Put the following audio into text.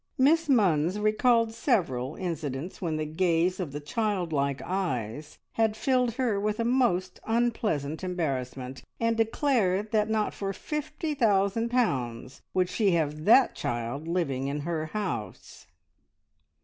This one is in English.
Miss Munns recalled several incidents when the gaze of the childlike eyes had filled her with a most unpleasant embarrassment, and declared that not for fifty thousand pounds would she have that child living in her house!